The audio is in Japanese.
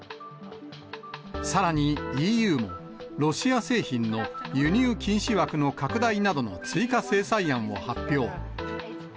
さらにＥＵも、ロシア製品の輸入禁止枠の拡大などの追加制裁案を発表。